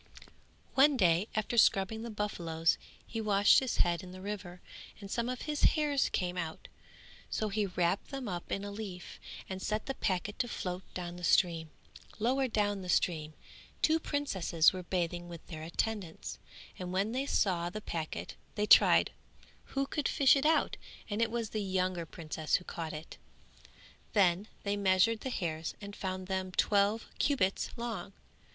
One day after scrubbing the buffaloes he washed his head in the river and some of his hairs came out; so he wrapped them up in a leaf and set the packet to float down the stream. Lower down the stream two princesses were bathing with their attendants, and when they saw the packet they tried who could fish it out and it was the younger princess who caught it. Then they measured the hairs and found them twelve cubits long.